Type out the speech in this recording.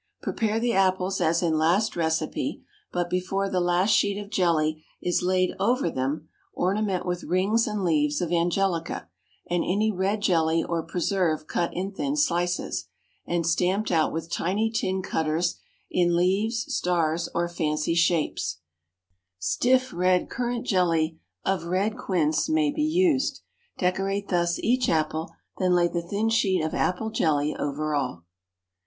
2. Prepare the apples as in last recipe, but before the last sheet of jelly is laid over them ornament with rings and leaves of angelica, and any red jelly or preserve cut in thin slices and stamped out with tiny tin cutters in leaves, stars, or fancy shapes (stiff red currant jelly of red quince may be used); decorate thus each apple; then lay the thin sheet of apple jelly over all.